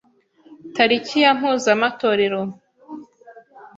tariki ya mpuzamatorero